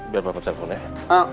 biar papa telepon ya